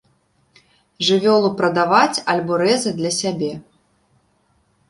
Жывёлу прадаваць альбо рэзаць для сябе.